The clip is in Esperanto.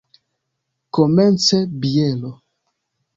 Komence biero.